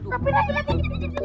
tapi tapi tapi